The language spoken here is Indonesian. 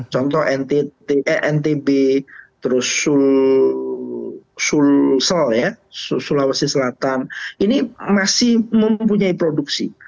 contoh ntb terus sulawesi selatan ini masih mempunyai produksi